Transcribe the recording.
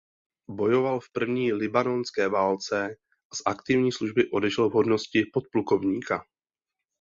Bojoval v první libanonské válce a z aktivní služby odešel v hodnosti podplukovníka.